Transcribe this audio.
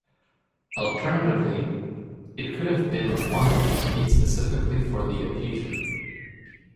Alternatively, it could have been one that was made specifically for the occasion.